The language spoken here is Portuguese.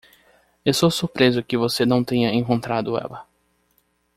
Estou surpreso que você não tenha encontrado ela.